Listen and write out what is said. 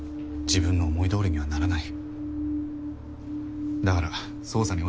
自分の思い通りにはならない。